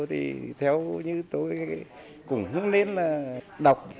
thì theo như tôi cũng hướng lên là đọc